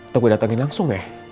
atau gue datengin langsung ya